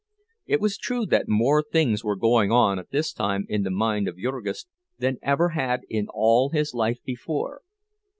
It was true that more things were going on at this time in the mind of Jurgis than ever had in all his life before.